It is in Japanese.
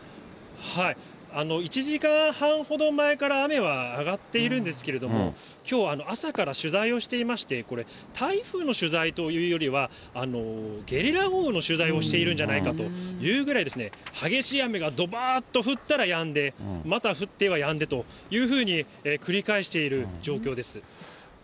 １時間半ほど前から雨は上がっているんですけれども、きょう、朝から取材をしていまして、これ、台風の取材というよりは、ゲリラ豪雨の取材をしているんじゃないかというぐらい、激しい雨がどばーっと降ったらやんで、また降ってはやんでというふうに、繰り返している状況です。